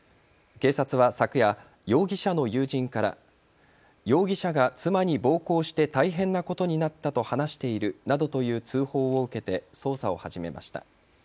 警察は昨夜、容疑者の友人から容疑者が妻に暴行して大変なことになったと話しているなどという通報を受けて捜査を始めました。